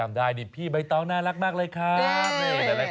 แล้วก็จำได้ดิพี่ใบต้องน่ารักมากเลยครับ